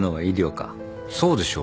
そうでしょ。